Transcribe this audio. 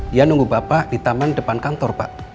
dia nunggu bapak di taman depan kantor pak